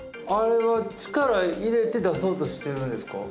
あれは力入れて出そうとしてるんですか？